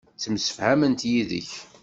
Ttemsefhament yid-k.